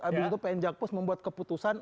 abis itu pn jakpus membuat keputusan